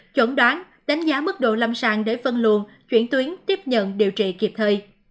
chuẩn đoán đánh giá mức độ lâm sàng để phân luồn chuyển tuyến tiếp nhận điều trị kịp thời